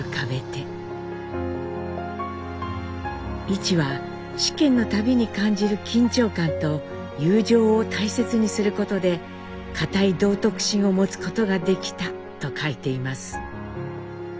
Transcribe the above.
一は試験の度に感じる緊張感と友情を大切にすることで堅い道徳心を持つことができたと書いています。